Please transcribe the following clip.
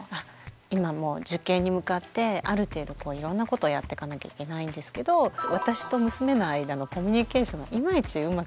今もう受験に向かってある程度こういろんなことをやってかなきゃいけないんですけど私と娘の間のコミュニケーションがいまいちうまく取れてなくって。